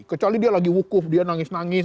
kecuali dia lagi wukuf dia nangis nangis